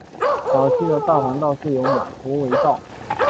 早期的大环道是由马头围道。